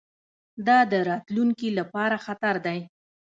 دا د راتلونکي لپاره خطر دی.